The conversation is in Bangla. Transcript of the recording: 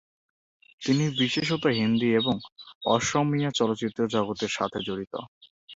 তিনি বিশেষত হিন্দী এবং অসমীয়া চলচ্চিত্র জগতের সাথে জড়িত।